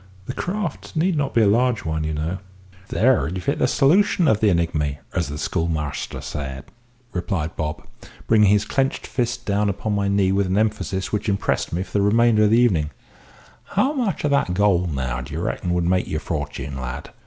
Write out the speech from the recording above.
The craft need not be a large one, you know " "There you've hit the solution of the enigmy, as the schoolmaster said," replied Bob, bringing his clenched fist down upon my knee with an emphasis which impressed me for the remainder of the evening: "How much of that gold now do you reckon would make your fortune, lad?